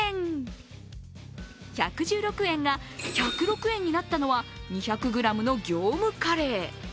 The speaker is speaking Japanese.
１１６円が１０６円になったのは２００ｇの業務カレー。